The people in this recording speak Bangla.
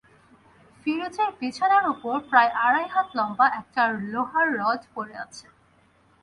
ফিরোজের বিছানার ওপর প্রায় আড়াই হাত লম্বা একটা লোহার রড পড়ে আছে।